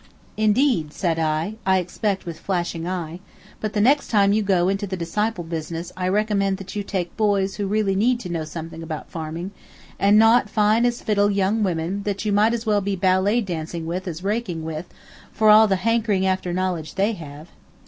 "Indeed!" said I I expect with flashing eye "but the next time you go into the disciple business I recommend that you take boys who really need to know something about farming, and not fine as fiddle young women that you might as well be ballet dancing with as raking with, for all the hankering after knowledge they have."